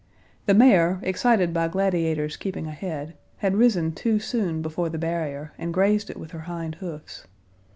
The mare, excited by Gladiator's keeping ahead, had risen too soon before the barrier, and grazed it with her hind hoofs.